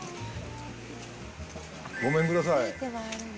ごめんください。